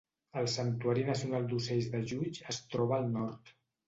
El santuari nacional d'ocells de Djoudj es troba al nord.